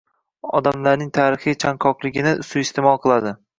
odamlarning tarixiy chanqoqligini suiiste’mol qiladi.